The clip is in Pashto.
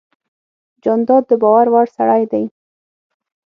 جانداد د باور وړ سړی دی.